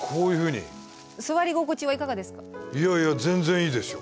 いやいや全然いいですよ。